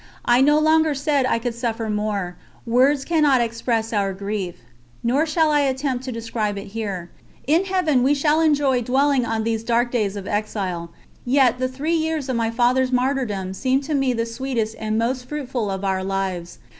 I no longer said I could suffer more, words cannot express our grief; nor shall I attempt to describe it here. In Heaven, we shall enjoy dwelling on these dark days of exile. Yet the three years of my Father's martyrdom seem to me the sweetest and most fruitful of our lives.